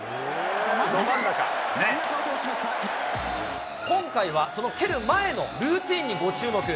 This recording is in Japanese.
見事、今回はその蹴る前のルーティンにご注目。